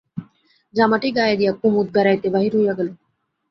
জামাটি গায়ে দিয়া কুমুদ বেড়াইতে বাহির হইয়া গেল।